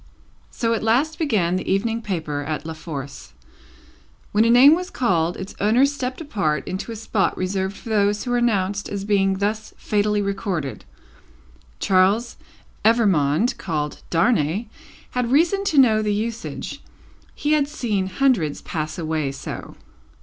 So at last began the Evening Paper at La Force. When a name was called, its owner stepped apart into a spot reserved for those who were announced as being thus fatally recorded. Charles Evrémonde, called Darnay, had reason to know the usage; he had seen hundreds pass away so.